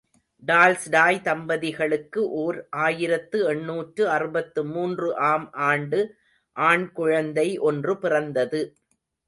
Tolstoy தம்பதிகளுக்கு ஓர் ஆயிரத்து எண்ணூற்று அறுபத்து மூன்று ஆம் ஆண்டு ஆண் குழந்தை ஒன்று பிறந்தது.